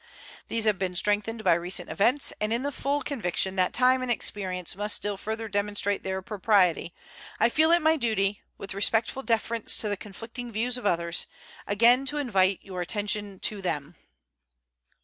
These have been strengthened by recent events, and in the full conviction that time and experience must still further demonstrate their propriety I feel it my duty, with respectful deference to the conflicting views of others, again to invite your attention to them.